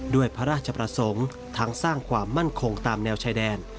ด้วยพระราชประสงค์ทั้งสร้างความมั่นคงตามแนวชายแดน